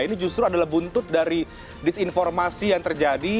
ini justru adalah buntut dari disinformasi yang terjadi